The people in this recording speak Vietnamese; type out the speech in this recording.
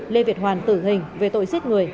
lê việt hoàn tử hình về tội giết người